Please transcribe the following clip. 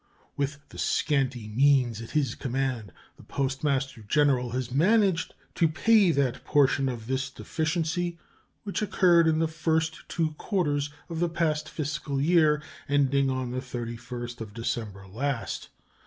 With the scanty means at his command the Postmaster General has managed to pay that portion of this deficiency which occurred in the first two quarters of the past fiscal year, ending on the 31st December last.